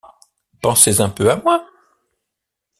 Pensez un peu à moi.